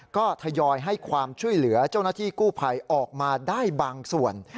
ก็ทยอยให้ความช่วยเหลือเจ้าหน้าที่กู้ภัยออกมาได้บางส่วน